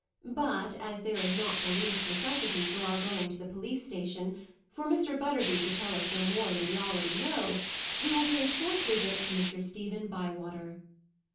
But, as there is not the least necessity for our going to the police station, for Mr. Butterby could tell us no more than we already know; we will pay a short visit to Mr. Stephen Bywater.